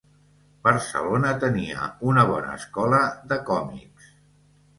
Barcelona tenia una bona escola de còmics